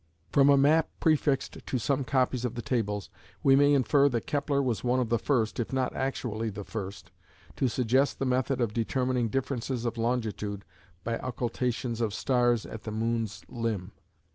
From a map prefixed to some copies of the Tables, we may infer that Kepler was one of the first, if not actually the first, to suggest the method of determining differences of longitude by occultations of stars at the moon's limb.